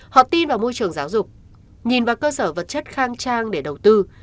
họ tin vào môi trường giáo dục nhìn vào cơ sở vật chất khang trang để đầu tư